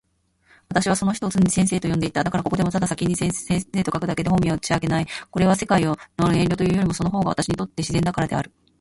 私はその人を常に先生と呼んでいた。だから、ここでもただ先生と書くだけで、本名は打ち明けない。これは、世界を憚る遠慮というよりも、その方が私にとって自然だからである。